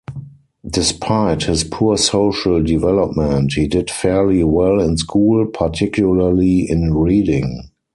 Despite his poor social development, he did fairly well in school, particularly in reading.